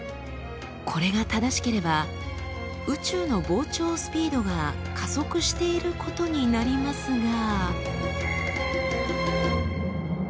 これが正しければ宇宙の膨張スピードが加速していることになりますが。